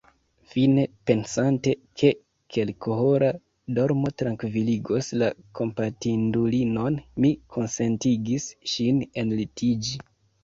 Fine, pensante, ke kelkhora dormo trankviligos la kompatindulinon, mi konsentigis ŝin enlitiĝi.